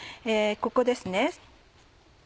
ここですね。